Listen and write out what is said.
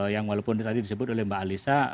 yang walaupun tadi disebut oleh mbak alisa